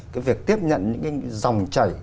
cái việc tiếp nhận những cái dòng chảy